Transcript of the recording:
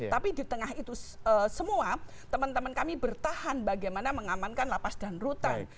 tapi di tengah itu semua teman teman kami bertahan bagaimana mengamankan lapas dan rutan